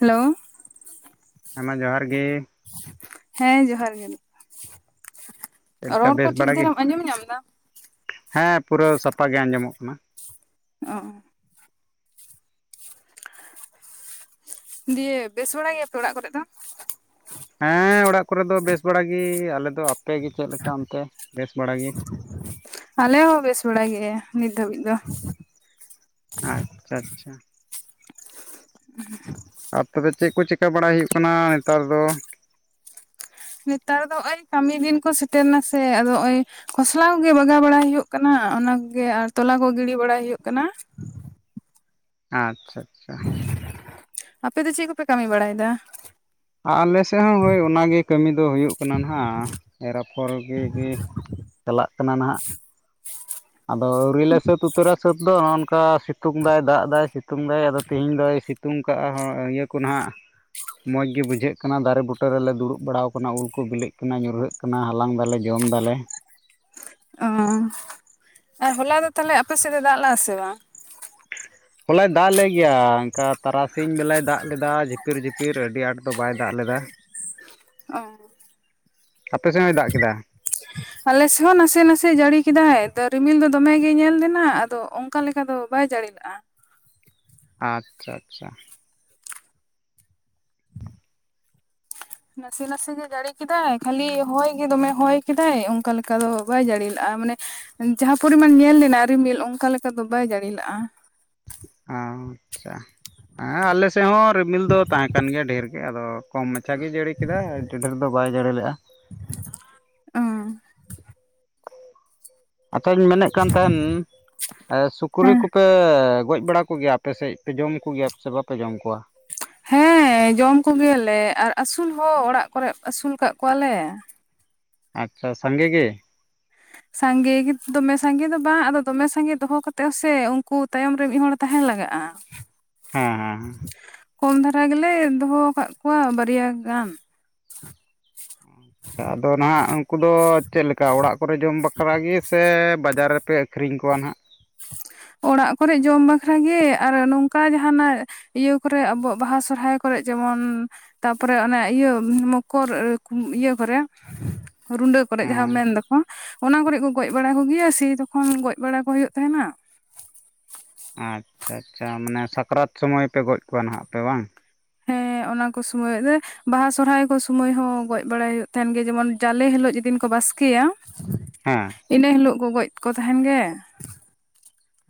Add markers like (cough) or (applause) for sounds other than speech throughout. Hello ᱦᱮᱸᱢᱟ ᱡᱚᱦᱟᱨ ᱜᱮ ᱦᱮᱸ ᱡᱚᱦᱟᱨ ᱜᱮ ᱡᱟᱱᱤᱜ ᱪᱮᱫ ᱞᱮᱠᱟ ᱨᱚᱲ ᱠᱚ ᱵᱮᱥ ᱴᱷᱤᱠ ᱵᱟᱲᱟ ᱜᱮ? ᱫᱷᱟᱨᱟᱢ ᱟᱸᱡᱚᱢ ᱧᱟᱢᱫᱟ? ᱦᱮᱸ ᱯᱩᱨᱟᱹ ᱥᱟᱯᱟ ᱜᱮ ᱟᱸᱡᱚᱢᱚᱜ ᱠᱟᱱᱟ᱾ ᱚᱸ ᱫᱤᱭᱮ ᱵᱮᱥ ᱵᱟᱲᱟ ᱜᱮᱭᱟᱯᱮ ᱚᱲᱟᱜ ᱠᱚᱨᱮ ᱫᱚ? ᱦᱮᱸ ᱚᱲᱟᱜ ᱠᱚᱨᱮ ᱫᱚ ᱵᱮᱥ ᱵᱟᱲᱟᱜᱮ ᱟᱞᱮᱫᱚ ᱟᱯᱮ ᱜᱮ ᱪᱮᱫ ᱞᱮᱠᱟ ᱚᱱᱛᱮ ᱵᱮᱥ ᱵᱟᱲᱟᱜᱮ? ᱟᱞᱮ ᱦᱚᱸ ᱵᱮᱥ ᱵᱟᱲᱟ ᱜᱮᱭᱟ ᱱᱤᱛ ᱫᱷᱟᱵᱤᱡ ᱫᱚ᱾ ᱟᱪᱪᱷᱟ, ᱟᱪᱪᱷᱟ (inaudible) ᱟᱨ ᱛᱚᱵᱮ ᱪᱮᱜ ᱠᱚ ᱪᱤᱠᱟ ᱵᱟᱲᱟ ᱭᱩᱜ ᱠᱟᱱᱟ, ᱮᱸᱛᱟᱨ ᱫᱚ? ᱱᱮᱛᱟ ᱫᱚ ᱦᱚᱜᱼᱚᱭ ᱠᱟᱢᱤ ᱫᱤᱱ ᱠᱚ ᱥᱮᱴᱮᱱ ᱱᱟ ᱥᱮ! ᱟᱫᱚ ᱦᱚᱜᱼᱚᱭ ᱠᱷᱚᱥᱞᱟᱣ ᱜᱮ ᱵᱟᱜᱟᱣ ᱵᱟᱲᱟ ᱦᱩᱭᱩᱜ ᱠᱟᱱᱟ, ᱚᱱᱟ ᱠᱚᱜᱮ ᱟᱨ ᱛᱚᱞᱟ ᱠᱚ ᱜᱤᱰᱤ ᱵᱟᱲᱟᱭ ᱦᱩᱭᱩᱜ ᱠᱟᱱᱟ᱾ ᱟᱪᱪᱷᱟ-ᱪᱷᱟ! ᱟᱯᱮ ᱫᱚ ᱪᱮᱜ ᱠᱚᱯᱮ ᱠᱟᱢᱤ ᱵᱟᱲᱟᱭ ᱫᱟ? ᱟ ᱟᱞᱮ ᱥᱮᱦ ᱦᱚᱸ ᱦᱳᱭ ᱚᱱᱟᱜᱮ ᱠᱟᱹᱢᱤ ᱫᱚ ᱦᱩᱭᱩᱜ ᱠᱟᱱᱟ, ᱱᱟᱦᱟ ᱮᱨ ᱟᱯᱷᱚᱨ ᱜᱮ ᱜᱮ ᱛᱟᱞᱟᱜ ᱠᱟᱱᱟ ᱱᱟᱦᱟᱜ᱾ ᱟᱫᱚ ᱣᱟᱹᱣᱨᱤ ᱞᱮ ᱥᱟᱹᱛ ᱩᱛᱟᱹᱨᱟ ᱥᱟᱹᱛ ᱫᱚ, ᱚᱱᱼᱠᱟ ᱥᱤᱛᱩᱝ ᱫᱟᱭ, ᱫᱟᱜ ᱟᱭ, ᱥᱤᱛᱩᱝ ᱫᱟᱭ, ᱟᱫᱚ ᱛᱤᱦᱤᱧ ᱫᱚᱭ ᱥᱤᱛ- -ᱛᱩᱝ ᱠᱟᱜᱼᱟ ᱦᱚᱸ ᱤᱭᱟᱹ ᱠᱚ ᱱᱟᱦᱟᱜ ᱢᱚᱡ ᱜᱮ ᱵᱩᱡᱷᱟᱹᱜ ᱠᱟᱱᱟ, ᱫᱟᱨᱮ ᱵᱩᱴᱟᱹ ᱨᱮᱞᱮ ᱫᱩᱲᱩᱵ ᱵᱟᱲᱟᱟᱣ ᱠᱟᱱᱟ, ᱩᱞ ᱠᱚ ᱵᱤᱞᱤᱜ ᱠᱟᱱᱟ, ᱧᱩᱨᱦᱟᱹᱜ ᱠᱟᱱᱟ, ᱦᱟᱞᱟᱝ ᱫᱟᱞᱮ, ᱡᱚᱢᱫᱟᱞᱮ᱾ ᱚᱸ! ᱟ ᱦᱚᱞᱟ ᱫᱚ ᱛᱷᱟᱞᱮ, ᱟᱯᱮ ᱥᱮᱜ ᱫᱚ ᱫᱟᱜ ᱞᱟ ᱟ ᱥᱮ ᱵᱟᱝ? ᱦᱚᱞᱟᱭ ᱫᱟᱜ ᱞᱮ ᱜᱮᱭᱟ, ᱟᱝᱠᱟ ᱛᱟᱨᱟᱥᱤᱧ ᱵᱮᱞᱟᱭ ᱫᱟᱜ ᱞᱮᱫᱟᱭ ᱡᱷᱤᱯ- -ᱯᱤᱨ-ᱡᱷᱤᱯᱤᱨ ᱟᱹᱰᱤ ᱟᱴ ᱫᱚ ᱵᱟᱭ ᱫᱟᱜ ᱞᱮᱫᱟ᱾ ᱚᱸ! ᱟᱯᱮ ᱥᱮᱦ ᱦᱚᱸ ᱫᱟᱜ ᱠᱮᱫᱟ? ᱟᱞᱮ ᱥᱮᱱᱴᱝ ᱦᱚᱸ ᱱᱟᱥᱮ ᱱᱟᱥᱮ ᱡᱟᱹᱲᱤ ᱠᱮᱫᱟᱸᱭ᱾ ᱫᱚ, ᱨᱤᱢᱤᱞ ᱫᱚ ᱫᱚᱢᱮ ᱜᱮ ᱧᱮᱞ ᱞᱮᱱᱟ, ᱟᱫᱚ ᱚᱝᱠᱟ ᱞᱮᱠᱟ ᱫᱚ ᱵᱟᱭ ᱡᱟᱹᱲᱤ ᱞᱮᱜᱼᱟᱸ! ᱟᱪᱪᱷᱟ-ᱪᱷᱟ! ᱱᱟᱥ- -ᱥᱮ ᱱᱟᱥᱮ ᱜᱮ ᱡᱟᱹᱲᱤ ᱠᱮᱫᱟᱭ᱾ ᱠᱷᱟᱹᱞᱤ ᱦᱚᱭ ᱜᱮ ᱫᱚᱢᱮ ᱦᱚᱭ ᱠᱮᱫᱟᱭ, ᱚᱝᱠᱟ ᱞᱮᱠᱟ ᱫᱚ ᱵᱟᱭ ᱡᱟᱹᱲᱤ ᱞᱟᱜᱼᱟ, ᱢᱟᱱᱮ ᱡᱟᱦᱟᱸ ᱯᱚᱨᱤᱢᱟᱱ ᱧᱮᱞ ᱞᱮᱱᱟ ᱨᱤᱢᱤᱞ, ᱚᱝᱠᱟ ᱞᱮᱠᱟ ᱫᱚ ᱵᱟᱭ ᱡᱟᱹᱲᱤ ᱞᱟᱜᱼᱟ! ᱟᱶᱪᱟ ᱮᱸ ᱟᱞᱮ ᱥᱮᱜ ᱦᱚᱸ ᱨᱤᱢᱤᱞ ᱫᱚ ᱛᱟᱦᱮᱸ ᱠᱟᱱ ᱜᱮᱭᱟ ᱰᱷᱮᱨ- -ᱜᱮ, ᱟᱫᱚ ᱠᱚᱢ ᱢᱟᱪᱷᱟ ᱜᱮ ᱡᱟᱹᱲᱤ ᱠᱮᱫᱟ, ᱰᱮ ᱰᱷᱮᱨ ᱫᱚ ᱵᱟᱭ ᱡᱟᱹᱲᱤ ᱞᱮᱜᱼᱟ! ᱚᱸ! ᱟᱪᱷᱟᱹᱧ ᱢᱮᱱᱮᱜ ᱠᱟᱱ ᱛᱟᱦᱮᱱ, ᱮ ᱥᱩᱠᱨᱤ ᱦᱮᱸ ᱠᱚᱯᱮ ᱜᱚᱡ ᱵᱟᱲᱟ ᱠᱚᱜᱮᱭᱟᱯ ᱯᱮᱥᱮᱜ ᱯᱮ ᱡᱚᱢ ᱠᱳᱜᱮᱭᱟ, ᱯᱮᱥᱮ ᱵᱟᱯᱮ ᱡᱚᱢ ᱠᱚᱣᱟ? ᱦᱮᱸᱻ, ᱡᱚᱢ ᱠᱚᱜᱮᱹᱭᱟᱞᱮ ᱟᱨ ᱟᱥᱩᱞ ᱦᱚᱻ ᱚᱲᱟᱜ ᱠᱚᱨᱮᱜ ᱟᱹᱥᱩᱞ ᱠᱟᱜ ᱠᱚᱣᱟᱞᱮᱻ᱾ ᱟᱪᱪᱷᱟ ᱥᱟᱸᱜᱮ ᱜᱮ? ᱥᱟᱸᱜᱮ, ᱜᱮ ᱫᱚᱢᱮ ᱥᱟᱸᱜᱮ ᱫᱚ ᱵᱟᱸ, ᱟᱫᱚ ᱫᱚᱢᱮ ᱥᱟᱸᱜᱮ ᱫᱚᱦᱚ ᱠᱟᱛᱮᱜ ᱦᱚᱥᱮ ᱩᱝᱠᱩ ᱛᱟᱭᱚᱢ ᱨᱮ ᱢᱤᱜ ᱦᱚᱲ ᱛᱟᱦᱮᱸ ᱞᱟᱜᱟᱜᱼᱟᱸ᱾ ᱦᱟᱸ, ᱦᱟᱸ, ᱦᱟᱸ! ᱠᱚᱢ ᱫᱷᱟᱨᱟ ᱜᱮᱞᱮᱻ ᱫᱚᱦᱚ ᱠᱟᱜ ᱠᱚᱣᱟᱻ ᱵᱟᱨᱭᱟ ᱜᱟᱱ᱾ ᱪᱟ ᱟᱫᱚ ᱱᱟᱦᱟᱜ, ᱩᱝᱠᱩ ᱫᱚ ᱪᱮᱜ ᱞᱮᱠᱟ, ᱚᱲᱟᱜ ᱠᱚᱨᱮ ᱡᱚᱢ ᱵᱟᱠᱷᱨᱟ ᱜᱮ ᱥᱮ ᱵᱟᱡᱟᱨ ᱨᱮ- -ᱯᱮ ᱟᱹᱠᱷᱨᱤᱧ ᱠᱚᱣᱟ ᱱᱷᱟᱜ? ᱚᱲᱟᱜ ᱠᱚᱨᱮ ᱡᱚᱢ ᱵᱟᱠᱷᱨᱟ ᱜᱮᱻ ᱟᱨ ᱱᱚᱝᱠᱟ ᱡᱟᱦᱟᱱᱟᱜ ᱤᱭᱟᱹ ᱠᱚᱨᱮ, ᱟᱵᱚ 'ᱵᱟᱦᱟ', 'ᱥᱚᱦᱨᱟᱭ' ᱠᱚᱨᱮ ᱡᱮᱢᱚᱱ ᱛᱟᱯᱚᱨᱮ ᱚᱱᱮ ᱤᱭᱟᱹ ᱩᱸ 'ᱢᱚᱠᱚᱨ ᱠᱩᱢ' ᱤᱭᱟᱹ ᱠᱷᱚᱨᱮᱸ 'ᱨᱩᱸᱰᱟᱹ' ᱠᱚᱨᱮᱜ ᱡᱟᱦᱟᱸ ᱦᱮᱸ ᱢᱮᱱ ᱫᱚᱠᱚᱸ, ᱚᱱᱟ ᱠᱚᱨᱮ ᱠᱚ ᱠᱚᱡ ᱵᱟᱲᱟ ᱠᱚᱜᱮᱹᱭᱟ ᱥᱤ ᱛᱚᱠᱷᱚᱱ ᱜᱚᱡ ᱵᱟᱲᱟ ᱠᱚ ᱦᱩᱭᱩᱜ ᱛᱟᱦᱮᱱᱟ᱾ ᱟᱪᱪᱷᱟ-ᱪᱷᱟ, ᱢᱟᱱᱮ 'ᱥᱟᱠᱨᱟᱛ' ᱥᱚᱢᱚᱭ ᱯᱮ, ᱜᱚᱡ ᱠᱚᱣᱟ ᱱᱟᱦᱟᱜᱯᱮ ᱵᱟᱝ! ᱦᱮᱸ, ᱚᱱᱟ ᱠᱚ ᱥᱚᱢᱚᱭ ᱨᱮ 'ᱵᱟᱦᱟ', 'ᱥᱚᱦᱨᱟᱭ' ᱠᱚ ᱥᱚᱢᱚᱭ ᱦᱚᱸ ᱜᱚᱡ ᱵᱟᱲᱟᱭ ᱭᱩᱜ ᱛᱟᱦᱮᱱ ᱜᱮ, ᱡᱮᱢᱚᱱ ᱡᱟᱞᱮ ᱦᱤᱞᱚᱜ ᱡᱮᱹᱫᱤᱱ ᱠᱚ ᱵᱟᱥᱠᱮᱹᱭᱟ, ᱦᱮᱸ ᱤᱱᱟᱹ ᱦᱤᱞᱳᱜ ᱠᱚ, ᱜᱚᱡ ᱠᱚ ᱛᱟᱦᱮᱱ ᱜᱮᱻ᱾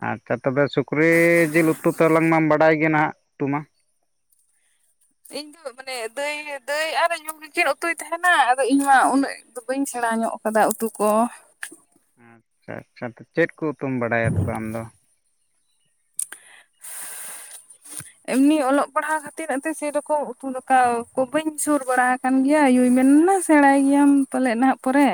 ᱟᱪᱪᱷᱟ ᱛᱚᱵᱮ ᱥᱩᱠᱨᱤ ᱡᱤᱞ ᱩᱛᱩ ᱛᱚ ᱞᱟᱝ ᱢᱟᱢ ᱵᱟᱰᱟᱭ ᱜᱮ ᱱᱟᱦᱟᱜ ᱩᱛᱩ ᱢᱟ᱾ ᱤᱧ ᱫᱚ ᱢᱟᱱᱮ ᱫᱟᱹᱭ ᱫᱟᱹᱭ ᱟᱨ ᱤᱭᱩ ᱜᱮᱠᱤᱱ ᱩᱛᱩᱭ ᱛᱟᱦᱮᱱᱟ ᱟᱫᱚ ᱤᱧ ᱢᱟ ᱩᱱᱟᱹᱜ ᱫᱚ ᱵᱟᱹᱧ ᱥᱮᱬᱟ ᱧᱚᱜ ᱥᱟᱫᱟ ᱩᱛᱩ ᱠᱚ ᱟᱪᱪᱷᱟ ᱟᱪᱪᱷᱟ ᱪᱮᱫ ᱠᱚ ᱩᱛᱩᱢ ᱵᱟᱲᱟᱭᱟ ᱛᱚᱵᱮ ᱟᱢᱫᱚ? (inaudible) ᱮᱢᱱᱤ ᱚᱞᱚᱜ ᱯᱟᱲᱦᱟᱣ ᱠᱷᱟᱹᱛᱤᱨ ᱟᱫᱚ ᱥᱮᱨᱚᱠᱚᱢ ᱩᱛᱩ ᱫᱟᱠᱟ ᱠᱚ ᱵᱟᱹᱧ ᱥᱩᱨ ᱵᱟᱲᱟ ᱠᱟᱱ ᱜᱮᱭᱟ, ᱤᱭᱩᱭ ᱢᱮᱱ ᱱᱟ ᱥᱮᱬᱟᱭ ᱜᱮᱭᱟᱢ ᱯᱟᱞᱮᱫ ᱱᱟᱦᱟᱜ ᱯᱚᱨᱮ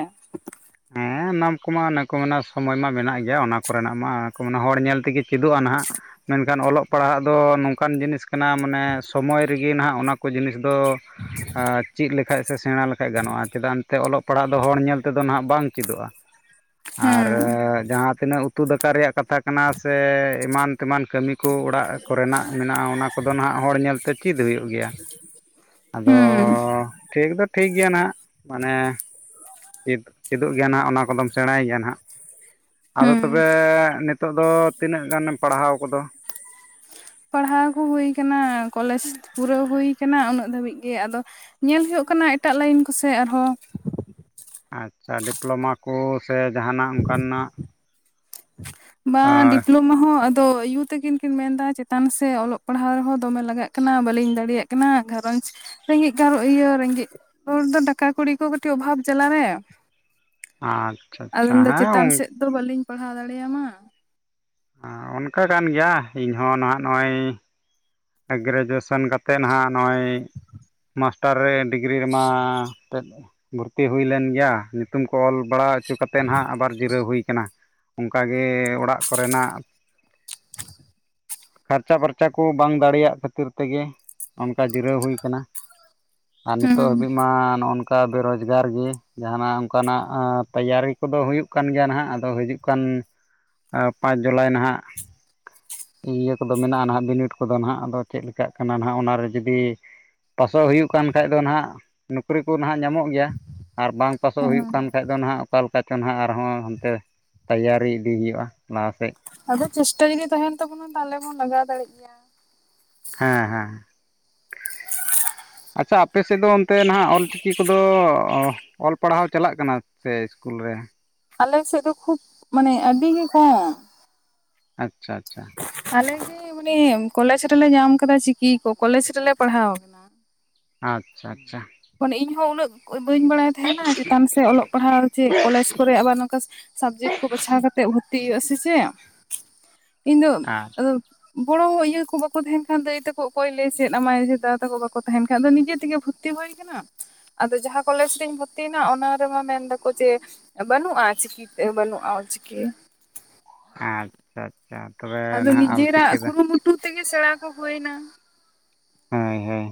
(unintelligible) ᱱᱟᱢ ᱠᱚᱢᱟ ᱚᱱᱟ ᱠᱚ ᱢᱮᱱᱟ ᱥᱚᱢᱚᱭ ᱢᱟ ᱢᱮᱱᱟᱜ ᱜᱮᱭᱟ, ᱚᱱᱟ ᱠᱚᱨᱮᱱᱟᱜ ᱢᱟ ᱠᱚ ᱢᱟᱱᱮ ᱦᱚᱲ ᱧᱮᱞ ᱛᱮᱜᱮ ᱪᱮᱫᱚᱜᱼᱟ ᱱᱟᱦᱟᱜ ᱢᱮᱱᱠᱷᱟᱱ ᱚᱞᱚᱜ ᱯᱟᱲᱦᱟᱜ ᱫᱚ ᱱᱚᱝᱠᱟᱱ ᱡᱤᱱᱤᱥ ᱠᱟᱱᱟ, ᱢᱟᱱᱮ ᱥᱚᱢᱚᱭ ᱨᱮᱜᱮ ᱱᱟᱦᱟᱜ ᱚᱱᱟ ᱠᱚ ᱠᱚ ᱡᱤᱱᱤᱥ ᱫᱚ ᱪᱮᱫ ᱞᱮᱠ ᱠᱷᱟᱡ ᱥᱮ ᱥᱮᱬᱟ ᱞᱮᱠᱷᱟᱡ ᱜᱟᱱᱚᱜᱼᱟ, ᱪᱮᱫᱟᱜ ᱮᱱᱛᱮ ᱚᱞᱚᱜ ᱯᱟᱲᱦᱟᱜ ᱫᱚ ᱦᱚᱲ ᱧᱮᱞ ᱛᱮᱫᱚ ᱱᱟᱦᱟᱜ ᱵᱟᱝ ᱪᱮᱫᱚᱜᱼᱟ᱾ ᱟᱨ ᱦᱮᱸ ᱡᱟᱦᱟᱸ ᱛᱤᱱᱟᱹᱜ ᱩᱛᱩ ᱫᱟᱠᱟ ᱨᱮᱭᱟᱜ ᱠᱟᱛᱷᱟ ᱠᱟᱱᱟ ᱥᱮ ᱮᱢᱟᱱ ᱛᱮᱢᱟᱱ ᱠᱟᱹᱢᱤ ᱠᱳ ᱚᱲᱟᱜ ᱠᱚᱨᱮᱱᱟᱜ ᱢᱮᱱᱟᱜᱼᱟ ᱾ ᱚᱱᱟ ᱠᱚᱫᱚ ᱱᱟᱦᱟᱜ ᱦᱚᱲ ᱧᱮᱞᱛᱮ ᱪᱮᱫ ᱦᱩᱭᱩᱜ ᱜᱮᱭᱟ ᱾ ᱟᱫᱚ ᱦᱩᱸ ᱴᱷᱤᱠ ᱫᱚ ᱴᱷᱤᱠ ᱜᱮᱭᱟ ᱱᱟᱜ ᱢᱟᱱᱮ ᱪᱮᱫ ᱪᱮᱫᱚᱜ ᱜᱮᱭᱟ ᱱᱟᱦᱟᱜ, ᱚᱱᱟ ᱠᱚᱫᱚᱢ ᱥᱮᱬᱟᱭ ᱜᱮᱭᱟ ᱱᱟᱦᱟᱜ ᱾ ᱟᱫᱚ ᱦᱩᱸ ᱛᱚᱵᱮ ᱱᱤᱛᱚᱜ ᱫᱚ ᱛᱤᱱᱟᱹᱜ ᱜᱟᱱᱮᱢ ᱯᱟᱲᱦᱟᱣ ᱠᱚᱫᱚ? ᱯᱟᱲᱦᱟᱣ ᱠᱚ ᱦᱩᱭ ᱠᱟᱱᱟ, ᱠᱚᱞᱮᱡᱽ ᱯᱩᱨᱟᱹᱣ ᱦᱩᱭ ᱠᱟᱱᱟ᱾ ᱩᱱᱟᱹᱜ ᱫᱷᱟᱹᱵᱤᱡ ᱜᱮ ᱟᱫᱚ ᱾ ᱧᱮᱞ ᱦᱩᱭᱩᱜ ᱠᱟᱱᱟ ᱮᱴᱟᱜ ᱞᱟᱭᱤᱱ ᱠᱚᱥᱮ ᱟᱨᱦᱚᱸ ᱾ ᱟᱪᱪᱷᱟ ᱰᱤᱯᱞᱳᱢᱟ ᱠᱚ ᱥᱮ ᱡᱟᱦᱟᱱᱟᱜ ᱚᱱᱠᱟᱱᱟᱜ? ᱵᱟᱸ ᱰᱤᱯᱞᱚ ᱚᱱᱟ ᱦᱚᱸ ᱟᱫᱚ ᱟᱭᱩ ᱛᱟᱹᱠᱤᱱ ᱠᱤᱱ ᱢᱮᱱᱫᱟ ᱪᱮᱛᱟᱱ ᱥᱮ ᱚᱞᱚᱜ ᱯᱟᱲᱦᱟᱣ ᱦᱚᱸ ᱫᱚᱢᱮ ᱞᱟᱜᱟᱜ ᱠᱟᱱᱟ, ᱵᱟᱞᱤᱧ ᱫᱟᱲᱮᱭᱟᱜ ᱠᱟᱱᱟ᱾ ᱜᱷᱟᱨᱚᱸᱡᱽ ᱨᱮᱸᱜᱮᱡ ᱜᱟᱸ ᱤᱭᱟᱹ ᱨᱮᱸᱜᱮᱡ ᱦᱚᱲ ᱫᱚ ᱴᱟᱠᱟ ᱠᱩᱲᱤ ᱠᱚ ᱠᱟᱹᱴᱤᱡ ᱚᱵᱷᱟᱵ ᱡᱟᱞᱟ ᱨᱮ ᱾ ᱟᱸᱫ (unintelligible) ᱫᱚ ᱪᱮᱛᱟᱱ ᱥᱮᱫ ᱫᱚ ᱵᱟᱹᱞᱤᱧ ᱯᱟᱲᱦᱟᱣ ᱫᱟᱲᱮᱭᱟᱢᱟ ᱾ ᱚᱱᱠᱟ ᱠᱟᱱ ᱜᱮᱭᱟ, ᱤᱧᱦᱚᱸ ᱱᱟᱦᱟᱜ ᱱᱚᱜᱼᱚᱭ ᱜᱨᱮᱡᱩᱭᱮᱥᱮᱱ ᱠᱟᱛᱮᱫ ᱱᱟᱦᱟᱜ ᱱᱚᱜᱼᱚᱭ ᱢᱟᱥᱴᱟᱨ ᱨᱮ ᱰᱤᱜᱽᱨᱤ ᱨᱮᱢᱟ ᱛᱮᱫ ᱵᱷᱚᱨᱛᱤ ᱦᱩᱭ ᱞᱮᱱ ᱜᱮᱭᱟ, ᱧᱩᱛᱩᱢ ᱠᱚ ᱚᱞ ᱵᱟᱲᱟ ᱦᱚᱪᱚ ᱠᱟᱛᱮᱫ ᱱᱟᱦᱟᱜ ᱟᱵᱟᱨ ᱡᱤᱨᱟᱹᱣ ᱦᱩᱭ ᱠᱟᱱᱟ ᱾ ᱚᱱᱠᱟᱜᱮ ᱚᱲᱟᱜ ᱠᱚᱨᱮᱱᱟᱜ ᱠᱷᱚᱨᱪᱟ ᱯᱷᱟᱨᱪᱟ ᱠᱚ ᱵᱟᱝ ᱫᱟᱲᱮᱭᱟᱜ ᱠᱷᱟᱹᱛᱤᱨ ᱛᱮᱜᱮ, ᱚᱱᱠᱟ ᱡᱤᱨᱟᱹᱣ ᱦᱩᱭ ᱠᱟᱱᱟ ᱾ ᱟᱨ ᱱᱤᱛᱚᱜ ᱦᱩᱸ ᱟᱹᱵᱤᱱ ᱢᱟ ᱱᱚᱜᱼ ᱱᱚᱝ ᱚᱱᱠᱟ ᱵᱮ ᱨᱚᱡᱽᱜᱟᱨ ᱜᱮ, ᱡᱟᱦᱟᱱᱟᱜ ᱚᱱᱠᱟᱱᱟᱜ ᱛᱮᱭᱟᱨᱤ ᱠᱚᱫᱚ ᱦᱩᱭᱩᱜ ᱠᱟᱱ ᱜᱮᱭᱟ ᱱᱟᱦᱟᱜ ᱟᱫᱚ ᱦᱟᱹᱡᱩᱜ ᱚᱱᱠᱟᱱ ᱯᱟᱸᱪ ᱡᱩᱞᱟᱭ ᱱᱟᱦᱟᱜ, ᱤᱭᱟᱹ ᱠᱚᱫᱚ ᱢᱮᱱᱟᱜᱼᱟ, ᱱᱟᱦᱟᱜ ᱵᱤᱱᱤᱰ ᱠᱚᱫᱚ ᱱᱟᱦᱟᱜ ᱟᱫᱚ ᱪᱮᱫᱠᱟᱜ ᱠᱟᱱᱟ ᱱᱟᱦᱟᱜ ᱚᱱᱟᱨᱮ ᱡᱩᱫᱤ ᱯᱟᱥᱚᱜ ᱦᱩᱭᱩᱜ ᱠᱟᱱ ᱠᱷᱟᱡ ᱫᱚ ᱱᱟᱦᱟᱜ ᱱᱚᱠᱨᱤ ᱠᱚ ᱱᱟᱦᱟᱜ ᱧᱟᱢᱚᱜ ᱜᱮᱭᱟ, ᱟᱨ ᱵᱟᱝ ᱯᱟᱥᱚᱜ ᱦᱮᱸ ᱦᱩᱭᱩᱜ ᱠᱟᱱ ᱵᱟᱠᱷᱟᱡ ᱫᱚ ᱱᱟᱦᱟᱜ ᱚᱠᱟ ᱞᱮᱠᱟ ᱪᱚ ᱱᱟᱦᱟᱜ ᱟᱨᱦᱚᱸ ᱚᱱᱛᱮ ᱛᱮᱭᱟᱨᱤ ᱤᱫᱤ ᱦᱩᱭᱩᱜᱼᱟ᱾ ᱞᱟᱦᱟᱥᱮᱫ ᱟᱫᱚ ᱪᱮᱥᱴᱟ ᱡᱩᱫᱤ ᱛᱟᱦᱮᱸᱱ ᱛᱟᱵᱚᱱᱟ, ᱛᱟᱦᱚᱞᱮ ᱵᱚᱱ ᱞᱟᱜᱟᱣ ᱫᱟᱲᱮᱜ ᱜᱮᱭᱟ ᱾ ᱦᱮᱸ ᱦᱮᱸ ᱟᱪᱪᱷᱟ ᱟᱯᱮ ᱥᱮᱫ ᱫᱚ ᱚᱱᱛᱮ ᱱᱟᱦᱟᱜ ᱚᱞᱪᱤᱠᱤ ᱠᱚᱫᱚ ᱚᱞ ᱯᱟᱲᱦᱟᱣ ᱪᱟᱞᱟᱜ ᱠᱟᱱᱟ ᱥᱮ ᱤᱥᱠᱩᱞ ᱨᱮ? ᱟᱞᱮ ᱥᱮᱫ ᱫᱚ ᱠᱷᱩᱵ, ᱢᱟᱱᱮ ᱟᱹᱰᱤ ᱜᱮ ᱠᱚᱢ ᱾ ᱟᱪᱪᱷᱟ ᱟᱪᱪᱷᱟ᱾ ᱟᱞᱮᱜᱮ ᱢᱟᱱᱮ ᱠᱚᱞᱮᱡᱽ ᱨᱮᱞᱮ ᱧᱟᱢ ᱠᱟᱫᱟ ᱪᱤᱠᱤ ᱠᱚ᱾ ᱠᱚᱞᱮᱡᱽ ᱨᱮᱞᱮ ᱯᱟᱲᱦᱟᱣ ᱠᱟᱱᱟ ᱾ ᱟᱪᱪᱷᱟ ᱟᱪᱪᱷᱟ ᱢᱟᱱᱮ ᱤᱧᱦᱚᱸ ᱩᱱᱟᱹᱜ ᱵᱟᱹᱧ ᱵᱟᱲᱟᱭ ᱛᱟᱦᱮᱱᱟ ᱪᱮᱛᱟᱱ ᱥᱮ ᱚᱞᱚᱜ ᱯᱟᱲᱦᱟᱣ ᱪᱮᱫ ᱠᱚᱞᱮᱡ ᱠᱚᱨᱮᱜ ᱟᱵᱟᱨ ᱱᱚᱝᱠᱟ᱾ ᱥᱟᱵᱡᱮᱠᱴ ᱠᱚ ᱵᱟᱪᱷᱟᱣ ᱠᱟᱛᱮᱫ ᱵᱷᱚᱨᱛᱤ ᱦᱩᱭᱩᱜᱼᱟ ᱥᱮ ᱪᱮᱫ ᱤᱧ ᱫᱚ ᱟᱫᱚ ᱵᱚᱲᱚ ᱤᱭᱟᱹ ᱠᱚ ᱵᱟᱠᱚ ᱛᱟᱦᱮᱱ ᱠᱷᱟᱱ ᱫᱚ ᱮᱟᱹᱭ ᱛᱟᱠᱚ ᱚᱠᱚᱭ ᱞᱮ ᱪᱮᱫ ᱟᱢᱟᱭ ᱫᱟᱫᱟ ᱛᱟᱠᱚ ᱵᱟᱠᱚ ᱛᱟᱦᱮᱱ ᱠᱷᱟᱱ ᱫᱚ ᱱᱤᱡᱮ ᱛᱮᱜᱮ ᱵᱷᱩᱨᱛᱤ ᱦᱩᱭ ᱾ ᱟᱫᱚ ᱡᱟᱦᱟᱸ ᱠᱚᱞᱮᱡ ᱨᱤᱧ ᱵᱷᱚᱨᱛᱤᱭᱮᱱᱟ ᱚᱱᱟ ᱨᱮᱢᱟ ᱢᱮᱱ ᱫᱟᱠᱚ ᱡᱮ᱾ ᱵᱟᱹᱱᱩᱜ ᱪᱤᱠᱤ ᱛᱮ ᱵᱟᱹᱱᱩ ᱚᱞ ᱪᱤᱠᱤ ᱾ ᱟᱪᱪᱷᱟ ᱟᱪᱪᱷᱟ ᱛᱚᱵᱮ ᱱᱟᱦᱟᱜ ᱚᱞᱪᱤᱠᱤ ᱫᱚ ᱾ ᱴᱩ ᱛᱮᱜᱮ ᱥᱮᱬᱟ ᱠᱚ ᱦᱩᱭᱱᱟ ᱾ ᱦᱳᱭ ᱦᱳᱭ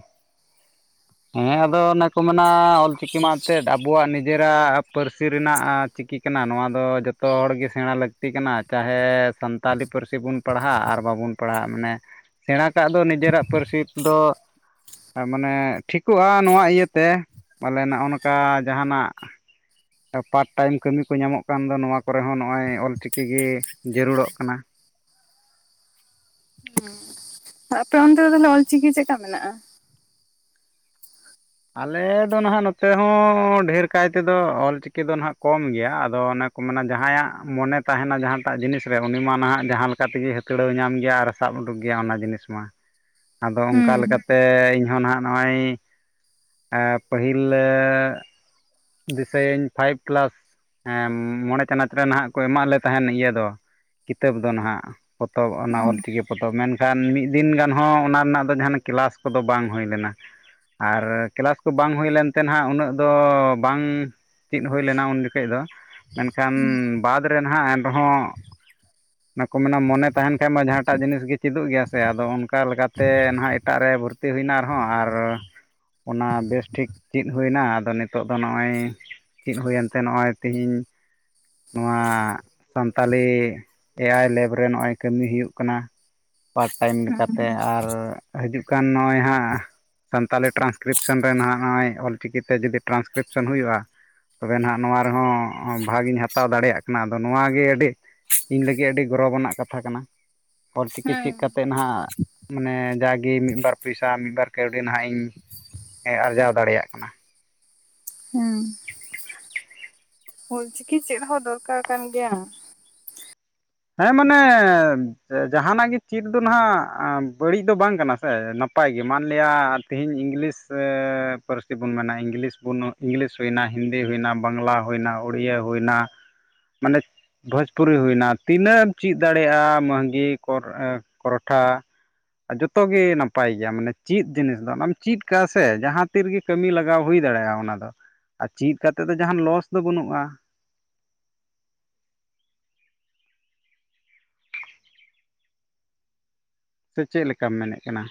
ᱦᱮᱸ ᱟᱫᱚ ᱚᱱᱮ ᱠᱚ ᱢᱮᱱᱟ ᱚᱞᱪᱤᱠᱤ ᱢᱟ ᱛᱮᱫ ᱟᱵᱚᱣᱟᱜ ᱱᱤᱡᱮᱨᱟᱜ ᱯᱟᱹᱨᱥᱤ ᱨᱮᱱᱟᱜ ᱪᱤᱠᱤ ᱠᱟᱱᱟ ᱾ ᱱᱚᱣᱟ ᱫᱚ ᱡᱚᱛᱚ ᱦᱚᱲᱜᱮ ᱥᱮᱬᱟ ᱞᱟᱹᱠᱛᱤ ᱞᱟᱹᱠᱛᱤ ᱠᱟᱱᱟ, ᱪᱟᱦᱮ ᱥᱟᱱᱛᱟᱞᱤ ᱯᱟᱹᱨᱥᱤ ᱵᱚᱱ ᱯᱟᱲᱦᱟᱜ ᱟᱨ ᱵᱟᱵᱚᱱ ᱯᱟᱲᱦᱟᱜ ᱾ ᱢᱟᱱᱮ ᱥᱮᱬᱟ ᱠᱟᱜ ᱫᱚ ᱱᱤᱡᱮᱨᱟᱜ ᱯᱟᱹᱨᱥᱤ ᱫᱚ ᱢᱟᱱᱮ ᱴᱷᱤᱠᱚᱜᱼᱟ ᱾ ᱱᱚᱣᱟ ᱤᱭᱟᱹᱛᱮ ᱵᱚᱞᱮ ᱱᱚᱜᱼᱚ ᱱᱚᱝᱠᱟ ᱡᱟᱦᱟᱱᱟᱜ ᱯᱟᱴ ᱴᱟᱭᱤᱢ ᱠᱟᱹᱢᱤ ᱠᱚ ᱧᱟᱢᱚᱜ ᱠᱟᱱ ᱫᱚ ᱱᱚᱣᱟ ᱠᱚᱨᱮ ᱦᱚᱸ ᱱᱚᱜᱼᱚᱭ ᱚᱞ ᱪᱤᱠᱤ ᱜᱮ ᱾ᱯᱪᱫ ᱡᱚᱨᱩᱲᱚᱜ ᱠᱟᱱᱟ ᱾ ᱟᱯᱮ ᱚᱱᱛᱮ ᱫᱚ ᱛᱟᱦᱚᱞᱮ ᱚᱞᱪᱤᱠᱤ ᱪᱮᱫ ᱞᱮᱠᱟ ᱢᱮᱱᱟᱜᱼᱟ ᱾ ᱟᱞᱮ ᱫᱚᱱ ᱱᱟᱦᱟᱜ ᱱᱚᱛᱮ ᱦᱚᱸ ᱰᱷᱮᱨ ᱠᱟᱭᱛᱮᱫᱚ ᱚᱞᱪᱤᱠᱤ ᱫᱚ ᱱᱟᱦᱟᱜ ᱠᱚᱢ ᱜᱮᱭᱟ ᱾ ᱟᱫᱚ ᱚᱱᱮ ᱠᱚ ᱢᱮᱱᱟ ᱡᱟᱦᱟᱸᱭᱟᱜ ᱢᱚᱱᱮ ᱛᱟᱦᱮᱱᱟ ᱡᱟᱦᱟᱸᱴᱟᱜ ᱡᱤᱱᱤᱥ ᱨᱮ ᱩᱱᱤ ᱢᱟ ᱱᱟᱦᱟᱜ ᱡᱟᱦᱟᱸ ᱞᱮᱠᱟ ᱛᱮᱜᱮ ᱦᱟᱹᱛᱲᱟᱹᱣ ᱧᱟᱢ ᱜᱮᱭᱟ ᱟᱨ ᱥᱟᱵ ᱩᱰᱩᱠ ᱜᱮᱭᱟ ᱚᱱᱟ ᱡᱤᱱᱤᱥ ᱢᱟ ᱾ (unintelligible) ᱟᱫᱚ ᱚᱱᱠᱟ ᱦᱩᱸ ᱞᱮᱠᱟᱛᱮ ᱤᱧᱦᱚᱸ ᱱᱟᱦᱟᱜ ᱱᱚᱜᱼᱚᱭ ᱯᱟᱹᱦᱤᱞ ᱫᱤᱥᱟᱹᱭᱟᱹᱧ ᱯᱷᱟᱭᱤᱵᱷ ᱠᱮᱞᱟᱥ ᱢᱚᱬᱮ ᱪᱟᱱᱟᱪ ᱨᱮ ᱱᱟᱦᱟᱜ ᱠᱚ ᱮᱢᱟᱜᱫ ᱞᱮ ᱛᱟᱦᱮᱱ ᱤᱭᱟᱹ ᱫᱚ ᱾ ᱠᱤᱛᱟᱹᱵ ᱫᱚ ᱱᱟᱦᱟᱜ ᱯᱚᱛᱚᱵ, ᱚᱱᱟ ᱚ ᱚᱞᱪᱤᱠᱤ᱾ ᱯᱚᱛᱚᱵᱽ ᱢᱮᱱᱠᱷᱟᱱ ᱢᱤᱫ ᱫᱤᱱ ᱜᱟᱱ ᱦᱚᱸ ᱚᱱᱟ ᱨᱮᱱᱟᱜ ᱫᱚ ᱡᱟᱦᱱᱟᱜ ᱠᱮᱞᱟᱥ ᱠᱚᱫᱚ ᱵᱟᱝ ᱦᱩᱭ ᱞᱮᱱᱟ ᱾ ᱟᱨ ᱠᱮᱞᱟᱥ ᱠᱚ ᱵᱟᱝ ᱦᱩᱭᱞᱮᱱᱛᱮ ᱱᱟᱦᱟᱜ ᱩᱱᱟᱹᱜ ᱫᱚ ᱵᱟᱝ ᱪᱮᱫ ᱦᱩᱭ ᱞᱮᱱᱟ ᱩᱱ ᱡᱚᱠᱷᱚᱱ ᱫᱚ ᱢᱮᱱᱠᱷᱟᱱ ᱵᱟᱫᱽ ᱨᱮ ᱱᱟᱦᱟᱜ ᱮᱱᱨᱮᱦᱚᱸ ᱾ (unintelligible) ᱚᱱᱮ ᱠᱚ ᱢᱮᱱᱟ ᱢᱚᱱᱮ ᱛᱟᱦᱮᱱ ᱠᱷᱟᱱ ᱢᱟ ᱡᱟᱦᱟᱸᱴᱟᱜ ᱡᱤᱱᱤᱥ ᱜᱮ ᱪᱮᱫᱚᱜ ᱜᱮᱭᱟ, ᱥᱮ ᱟᱫᱚ ᱚᱱᱠᱟ ᱞᱮᱠᱟᱛᱮ ᱱᱟᱦᱟᱜ ᱮᱴᱟᱜ ᱨᱮ ᱵᱷᱚᱨᱼᱼ ᱛᱤ ᱦᱩᱭᱱᱟ ᱨᱮᱦᱚᱸ ᱟᱨ ᱚᱱᱟ ᱵᱮᱥᱴᱷᱤᱠ ᱪᱮᱫ ᱦᱩᱭᱱᱟ ᱟᱫᱚ ᱱᱤᱛᱚᱜ ᱫᱚ ᱾ ᱛᱚ ᱱᱚᱜᱼᱚᱭ ᱪᱮᱫ ᱦᱩᱭᱮᱱ ᱛᱮ ᱱᱚᱜᱼᱚᱭ ᱛᱤᱦᱤᱧ᱾ ᱱᱚᱣᱟ ᱥᱟᱱᱛᱟᱞᱤ ᱮ ᱟᱭ ᱞᱮᱵ ᱨᱮ ᱱᱚᱜᱼᱚᱭ ᱠᱟᱹᱢᱤ ᱦᱩᱭᱩᱜ ᱠᱟᱱᱟ ᱾ ᱯᱟᱴ ᱴᱟᱭᱤᱢ ᱞᱮᱠᱟᱛᱮ ᱦᱮᱸ ᱟᱨ ᱦᱤᱡᱩᱜ ᱠᱟᱱ ᱱᱚᱜᱼᱚᱭ ᱦᱟᱸᱜ ᱥᱟᱱᱛᱟᱞᱤ ᱴᱨᱟᱱᱥᱠᱨᱤᱯᱥᱚᱱ ᱨᱮ ᱱᱟᱜ ᱱᱚᱜᱼᱚᱭ ᱚᱞᱪᱤᱠᱤᱛᱮ ᱡᱩᱫᱤ ᱴᱨᱟᱱᱥᱠᱨᱤᱯᱥᱚᱱ ᱦᱩᱭᱩᱜᱼᱟ ᱾ ᱛᱚᱵᱮ ᱱᱟᱦᱱᱟᱜ ᱱᱚᱣᱟ ᱨᱮᱦᱚᱸ ᱵᱷᱟᱜᱤᱧ ᱦᱟᱛᱟᱣ ᱫᱟᱲᱮᱭᱟᱜ ᱠᱟᱱᱟ ᱾ ᱟᱫᱚ ᱱᱚᱣᱟᱜᱮ ᱟᱹᱰᱤ᱾ ᱤᱧ ᱞᱟᱹᱜᱤᱫ ᱟᱹᱰᱤ ᱜᱚᱨᱚᱵᱽ ᱟᱱᱟᱜ ᱠᱟᱛᱷᱟ ᱠᱟᱱᱟ ᱾ ᱚᱞᱪᱤᱠᱤ ᱪᱮᱫᱛᱜ ᱱᱟᱦᱟᱜ᱾ ᱢᱟᱱᱮ ᱡᱟᱜᱮ ᱢᱤᱫᱵᱟᱨ ᱯᱚᱭᱥᱟ ᱢᱤᱫᱵᱟᱨ ᱠᱟᱹᱣᱰᱤ ᱱᱟᱦᱟᱜ ᱤᱧ ᱟᱨᱡᱟᱣ ᱫᱟᱲᱮᱭᱟᱜ ᱠᱟᱱᱟ ᱾ ᱦᱩᱸ ᱚᱞ ᱪᱤᱠᱤ ᱪᱮᱫ ᱦᱚᱸ ᱫᱚᱨᱠᱟᱨ ᱠᱟᱱ ᱜᱮᱭᱟ ᱾ ᱦᱮᱸ ᱢᱟᱱᱮ ᱡᱟᱦᱟᱱᱟᱜ ᱜᱮ ᱪᱮᱫ ᱫᱚ ᱱᱟᱜ ᱵᱟᱹᱲᱤᱡ ᱫᱚ ᱵᱟᱝ ᱠᱟᱱᱟ ᱥᱮ, ᱱᱟᱯᱟᱭ ᱜᱮ ᱢᱟᱱᱞᱤᱭᱟ ᱛᱮᱦᱮᱧ ᱤᱝᱞᱤᱥ ᱯᱟᱹᱨᱥᱤ ᱵᱚᱱ ᱢᱮᱱᱟ ᱤᱝᱞᱤᱥ ᱵᱚᱱ ᱾ ᱤᱝᱞᱤᱥ ᱦᱩᱭᱮᱱᱟ, ᱦᱤᱱᱫᱤ ᱦᱩᱭᱮᱱᱟ, ᱵᱟᱝᱞᱟ ᱦᱩᱭᱮᱱᱟ, ᱩᱲᱤᱭᱟᱹ ᱦᱩᱭᱱᱟ ᱾ ᱢᱟᱱᱮ ᱵᱷᱳᱡᱽᱯᱩᱨᱤ ᱦᱩᱭᱱᱟ ᱾ ᱛᱤᱱᱟᱹᱜ ᱮᱢ ᱪᱮᱫ ᱫᱟᱲᱮᱭᱟᱜᱼᱟ, ᱢᱮᱝᱜᱷᱤ ᱠᱚᱨ ᱠᱚᱨᱴᱷᱟ᱾ ᱡᱚᱛᱚ ᱜᱮ ᱱᱟᱯᱟᱭ ᱜᱮᱭᱟ ᱢᱟᱱᱮ ᱪᱮᱫ ᱡᱤᱱᱤᱥ ᱫᱚ ᱚᱱᱟᱢ ᱪᱮᱫ ᱠᱟᱜᱼᱟ ᱥᱮ ᱡᱟᱸᱦᱟ ᱛᱤ ᱨᱮᱜᱮ ᱠᱟᱹᱢᱤ ᱞᱟᱜᱟᱣ ᱦᱩᱭ ᱫᱟᱲᱮᱭᱟᱜᱼᱟ ᱚᱱᱟ ᱫᱚ ᱟᱨ ᱪᱮᱫ ᱠᱟᱛᱮᱫ ᱫᱚ ᱡᱟᱦᱟᱱ ᱞᱚᱥ ᱫᱚ ᱵᱟᱹᱱᱩᱜᱼᱟ ᱾ ᱥᱮ ᱪᱮᱫ ᱞᱮᱠᱟᱢ ᱢᱮᱱᱮᱫ ᱠᱟᱱᱟ?